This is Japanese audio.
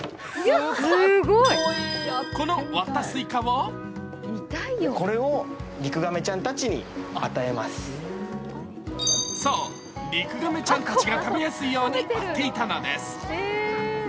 この割ったスイカをそう、リクガメちゃんたちが食べやすいように割っていたのです。